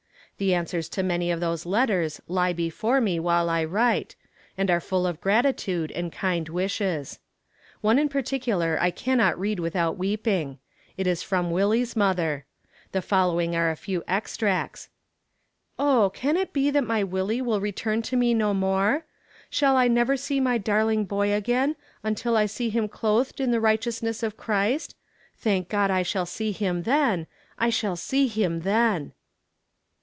The answers to many of those letters lie before me while I write, and are full of gratitude and kind wishes. One in particular I cannot read without weeping. It is from Willie's Mother. The following are a few extracts: "Oh, can it be that my Willie will return to me no more? Shall I never see my darling boy again, until I see him clothed in the righteousness of Christ thank God I shall see him then I shall see him then."